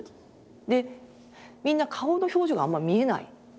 でみんな顔の表情があんま見えないなと。